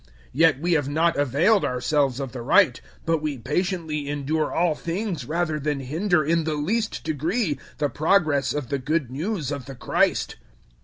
Yet we have not availed ourselves of the right, but we patiently endure all things rather than hinder in the least degree the progress of the Good News of the Christ.